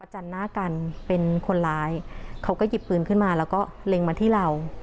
จันหน้ากันเป็นคนร้ายเขาก็หยิบปืนขึ้นมาแล้วก็เล็งมาที่เรา